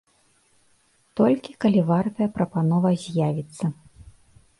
Толькі, калі вартая прапанова з'явіцца.